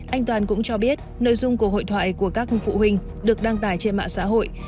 anh toàn cũng cho biết nội dung của hội thoại của các phụ huynh được đăng tải trên mạng xã hội